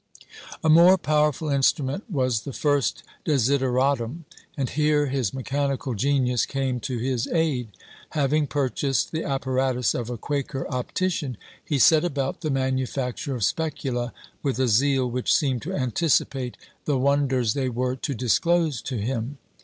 A more powerful instrument was the first desideratum; and here his mechanical genius came to his aid. Having purchased the apparatus of a Quaker optician, he set about the manufacture of specula with a zeal which seemed to anticipate the wonders they were to disclose to him.